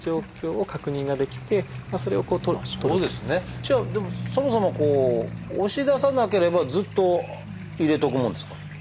じゃあでもそもそもこう押し出さなければずっと入れておくもんですか？